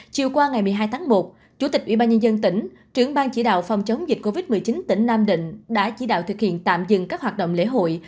chiều qua ngày một mươi hai tháng một chủ tịch ủy ban nhân dân tỉnh trưởng ban chỉ đạo phòng chống dịch covid một mươi chín tỉnh nam định đã chỉ đạo thực hiện tạm dừng các hoạt động lễ hội